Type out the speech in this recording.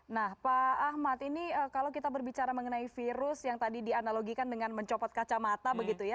nah pak ahmad ini kalau kita berbicara mengenai virus yang tadi dianalogikan dengan mencopot kacamata begitu ya